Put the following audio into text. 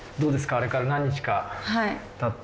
あれから何日かたって。